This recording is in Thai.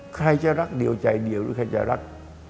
ใครจะรักเดียวใจเดียวหรือใครจะรัก